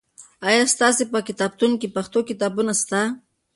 آیا ستاسې په کتابتون کې پښتو کتابونه سته؟